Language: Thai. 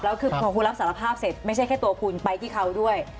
แล้วคือพอคุณรับสารภาพเสร็จไม่ใช่แค่ตัวคุณไปที่เขาด้วย